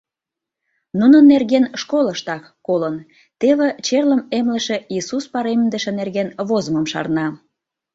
Нунын нерген школыштак колын: теве черлым эмлыше Исус-Паремдыше нерген возымым шарна.